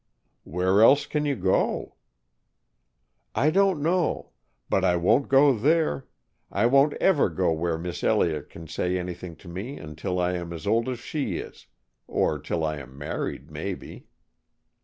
"Where else can you go?" "I don't know. But I won't go there. I won't ever go where Miss Elliott can say anything to me until I am as old as she is, or till I am married, maybe."